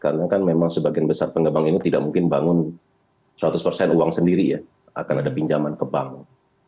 karena kan memang sebagian besar pengembang ini tidak mungkin bangun seratus uang sendiri ya akan ada pinjaman ke bank